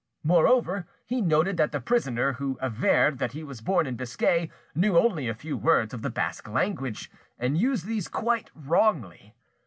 Moreover, he noted that the prisoner, who averred that he was born in Biscay, knew only a few words of the Basque language, and used these quite wrongly.